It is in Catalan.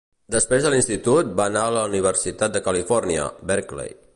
Després de l'Institut, va anar a la Universitat de California, Berkeley.